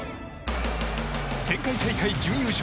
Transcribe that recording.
前回大会準優勝。